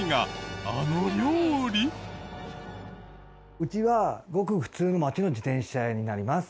うちはごく普通の街の自転車屋になります。